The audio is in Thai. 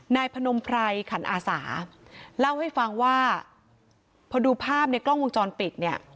นายพนมไพรขันอาสาเล่าให้ฟังว่าพอดูภาพในกล้องวงจรปิดเนี่ย